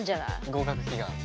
合格祈願。